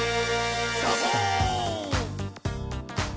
「サボーン！」